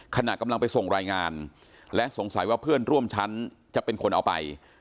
ขณะกำลังไปส่งรายงานและสงสัยว่าเพื่อนร่วมชั้นจะเป็นคนเอาไป